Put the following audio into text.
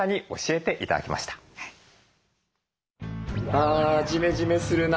あジメジメするな。